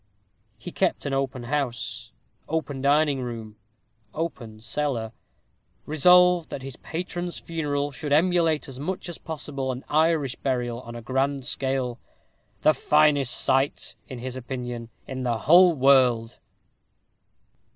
He kept open house open dining room open cellar; resolved that his patron's funeral should emulate as much as possible an Irish burial on a grand scale, "the finest sight," in his opinion, "in the whole world."